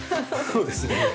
そうですね。